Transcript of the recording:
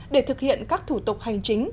để thực hiện các thủ tục hành chính